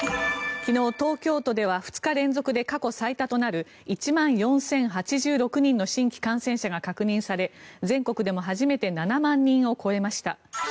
昨日、東京都では２日連続で過去最多となる１万４０８６人の新規感染者が確認され全国でも初めて７万人を超えました。